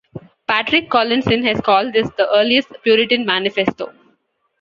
Patrick Collinson has called this "the earliest puritan manifesto".